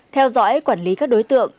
theo dõi quản lý các đối tượng